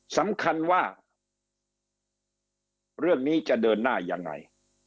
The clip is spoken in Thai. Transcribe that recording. สำคัญว่าเรื่องนี้จะเดินหน้ายังไง